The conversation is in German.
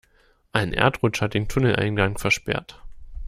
Ein Erdrutsch hat den Tunneleingang versperrt.